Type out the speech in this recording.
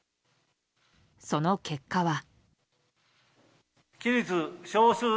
その結果は。